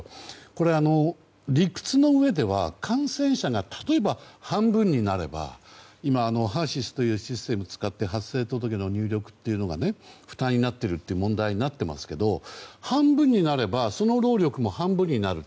これ、理屈のうえでは感染者が、例えば半分になれば今、ＨＥＲ‐ＳＹＳというシステムを使って発生届の入力が負担になっているという問題になっていますけど半分になればその労力も半分になる。